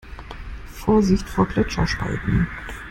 Vorsicht vor Gletscherspalten!